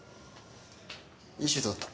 いいシュートだった。